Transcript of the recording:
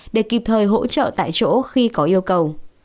để kịp thời hỗ trợ tại chỗ khi có yêu cầu